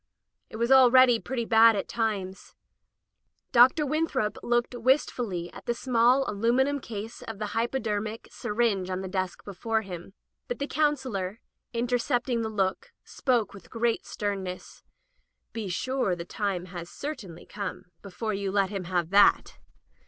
It was already pretty bad at times. Dr. Winthrop looked wistfully at the small alum inum case of the hypodermic syringe on the desk before him. But the Counselor, inter cepting the look, spoke with great sternness: " Be sure the time has certainly come before you let him have that."